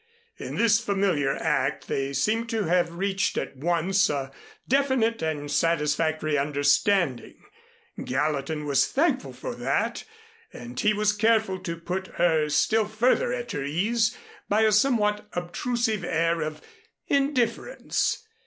In this familiar act they seemed to have reached at once a definite and satisfactory understanding. Gallatin was thankful for that, and he was careful to put her still further at her ease by a somewhat obtrusive air of indifference.